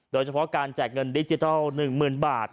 โดยเฉพาะการแจกเงินดิจิทัลหนึ่งหมื่นบาท